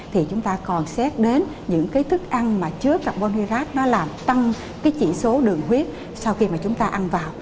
thì chúng ta còn xét đến những thức ăn mà trước carbon hydrate nó làm tăng chỉ số đường huyết sau khi chúng ta ăn vào